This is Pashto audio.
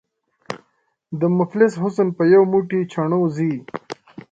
” د مفلس حُسن په یو موټی چڼو ځي”